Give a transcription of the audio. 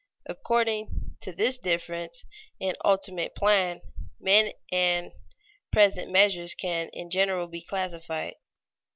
According to this difference in ultimate plan, men and present measures can in general be classified.